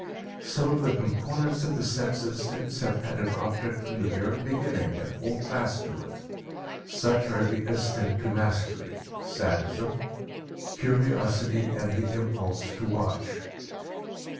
Some of the components of the sex instincts have had an object from the very beginning and hold fast to it; such are the instinct to mastery (sadism), curiosity, and the impulse to watch.